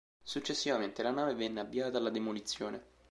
Successivamente la nave venne avviata alla demolizione.